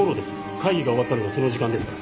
会議が終わったのがその時間ですから。